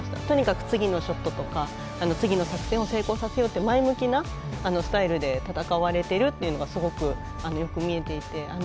とにかく次のショットとか次の作戦を成功させようと前向きなスタイルで戦われているというのがすごくよく見えていて。